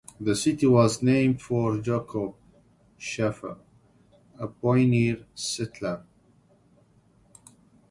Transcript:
The city was named for Jacob Shafer, a pioneer settler.